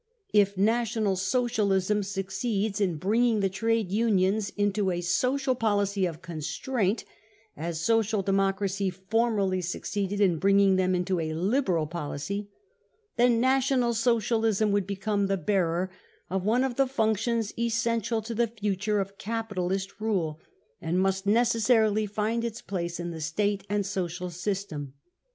" If National Socialism succeeds in bringing the trade unions into a social policy of constraint, as Social Democ racy formerly succeeded in bringing them into a Liberal |j policy, then National Socialism would become the bearer of one of the functions essential to the future of capitalist rule, and must necessarily find its place in the , State and social system.